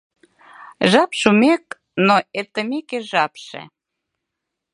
Жап шумек... но, эртымеке жапше...